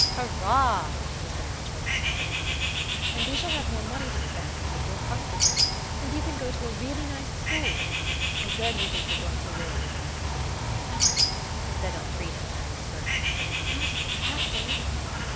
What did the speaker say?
"Hurrah!" was the natural response. "And we shall have more money to spend and be more comfortable. And you can go to a really nice school. And where do you think we're going to live?" "Not," said Elfrida, in a whisper,–"not at the castle?"